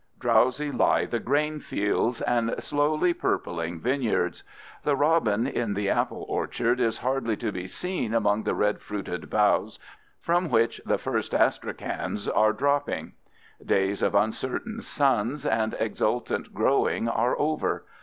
Drowsy lie the grain fields and slowly purpling vineyards. The robin in the apple orchard is hardly to be seen among the red fruited boughs from which the first Astrakhans are dropping. Days of uncertain suns and exultant growing are over.